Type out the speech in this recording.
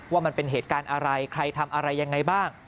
ว่ามันเป็นเหตุการณ์อะไรใครทำอะไรยังไงบ้าง